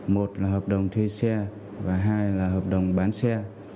một là hợp đồng thuê xe và hai là hợp đồng bán xe